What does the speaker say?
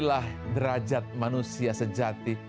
inilah derajat manusia sejati